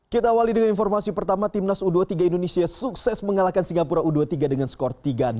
kita awali dengan informasi pertama timnas u dua puluh tiga indonesia sukses mengalahkan singapura u dua puluh tiga dengan skor tiga